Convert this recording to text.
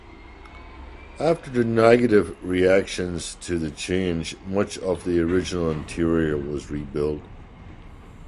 After negative reactions to the change, much of the original interior was rebuilt.